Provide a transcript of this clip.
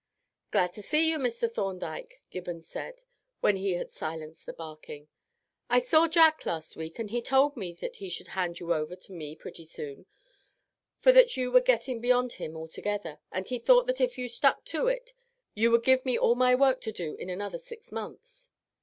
"Glad to see you, Mr. Thorndyke," Gibbons said, when he had silenced the barking. "I saw Jack last week, and he told me that he should hand you over to me pretty soon, for that you were getting beyond him altogether, and he thought that if you stuck to it you would give me all my work to do in another six months."